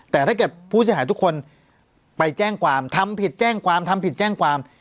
แต่ถ้าเกิดผู้เสียหายทุกคนไปแจ้งความทำผิดแจ้งความทำผิดแจ้งความ